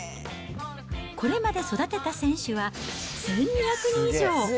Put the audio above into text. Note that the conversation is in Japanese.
これまで育てた選手は１２００人以上。